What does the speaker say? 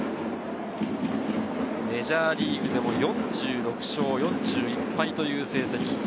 メジャーリーグでも４６勝４１敗という成績。